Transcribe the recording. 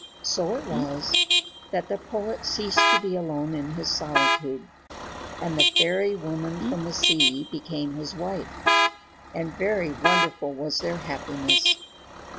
So it was that the poet ceased to be alone in his solitude, and the fairy woman from the sea became his wife, and very wonderful was their happiness.